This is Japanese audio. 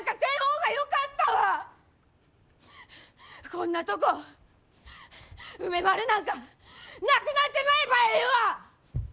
こんなとこ梅丸なんかなくなってまえばええわ！